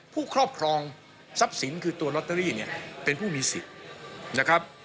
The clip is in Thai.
ผู้ครอบครองทรัพย์สินคือตัวลอตเตอรี่เป็นผู้มีสิน